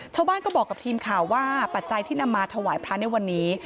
ชาวบ้านก็บอกกับทีมข่าวว่าปัจจัยที่นำมาถวายพระในวันนี้